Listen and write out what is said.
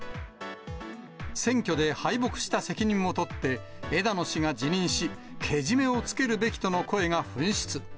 選挙で敗北した責任を取って、枝野氏が辞任し、けじめをつけるべきとの声が噴出。